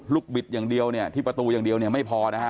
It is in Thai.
บิดอย่างเดียวเนี่ยที่ประตูอย่างเดียวเนี่ยไม่พอนะฮะ